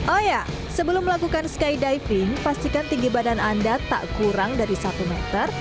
oh ya sebelum melakukan skydiving pastikan tinggi badan anda tak kurang dari satu meter